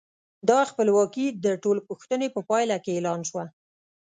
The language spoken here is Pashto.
دا خپلواکي د ټول پوښتنې په پایله کې اعلان شوه.